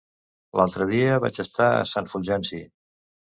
L'altre dia vaig estar a Sant Fulgenci.